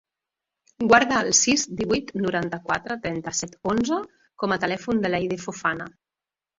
Guarda el sis, divuit, noranta-quatre, trenta-set, onze com a telèfon de l'Aidé Fofana.